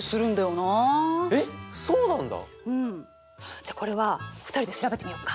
じゃあこれは２人で調べてみようか？